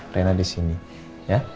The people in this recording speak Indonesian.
rena disini ya